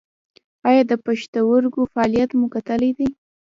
ایا د پښتورګو فعالیت مو کتلی دی؟